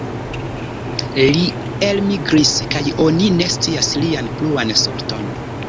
Li elmigris kaj oni ne scias lian pluan sorton.